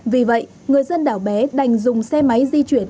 vì vậy người dân đảo bé đành dùng xe máy di chuyển